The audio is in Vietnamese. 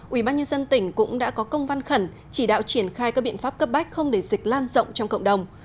ubnd tỉnh cũng đã có công văn khẩn chỉ đạo triển khai các biện pháp cấp bách không để dịch lan rộng trong cộng đồng